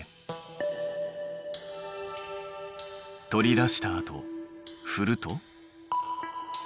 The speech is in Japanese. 取り出したあとふると？